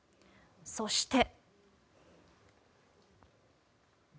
そして。